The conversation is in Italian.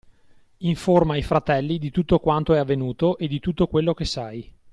Informa i fratelli di tutto quanto è avvenuto e di tutto quello che sai.